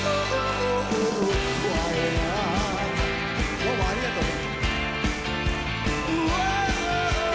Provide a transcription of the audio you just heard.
どうもありがとね。